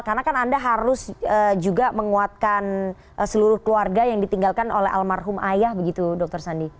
karena kan anda harus juga menguatkan seluruh keluarga yang ditinggalkan oleh almarhum ayah begitu dokter sandi